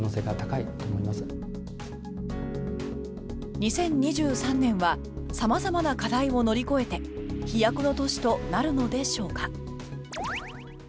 ２０２３年は様々な課題を乗り越えて飛躍の年となるのでしょうか。